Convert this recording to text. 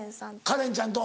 カレンちゃんと。